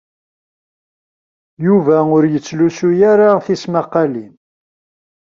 Yuba ur yettlusu ara tismaqqalin.